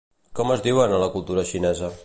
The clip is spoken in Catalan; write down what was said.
Com es diuen a la cultura xinesa?